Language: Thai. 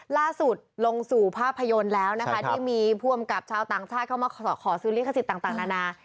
ล่าสุดลงสู่ภาพยนตร์แล้วนะคะที่มีผู้อำกับชาวต่างชาติเข้ามาขอซื้อลิขสิทธิ์ต่างนานา